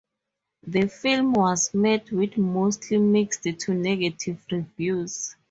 The film was met with mostly mixed to negative reviews.